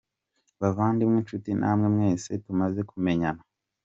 Bavandimwe, nshuti namwe mwese tumaze kumenyana,